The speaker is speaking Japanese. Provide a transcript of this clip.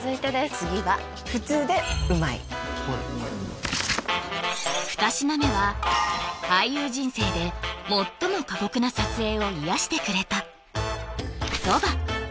次は普通でうまい２品目は俳優人生で最も過酷な撮影を癒やしてくれた蕎麦